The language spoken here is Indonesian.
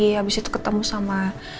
habis itu ketemu sama